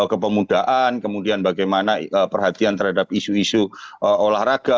kepemudaan kemudian bagaimana perhatian terhadap isu isu olahraga